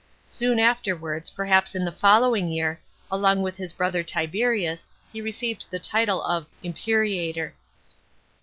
Soon afterwards, perhaps in the following year, along with his brother Tiberius he received the title of imperator.